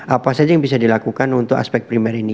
apa saja yang bisa dilakukan untuk aspek primer ini